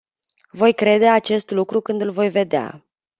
Voi crede acest lucru când îl voi vedea.